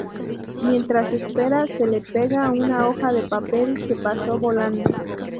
Mientras espera, se le pega una hoja de papel que pasó volando.